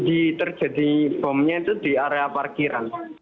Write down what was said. terjadi bomnya itu di area parkiran